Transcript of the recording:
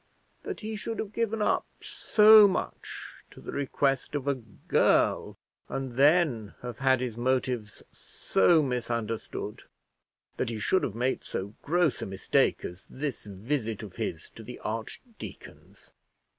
That he should have given up so much to the request of a girl, and then have had his motives so misunderstood! That he should have made so gross a mistake as this visit of his to the archdeacon's!